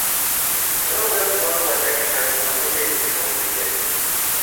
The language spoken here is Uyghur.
شۇنىڭ بىلەن ئۇلارنىڭ ۋەتەنگە قايتىش ئارزۇسى تېخىمۇ كۈچىيەتتى.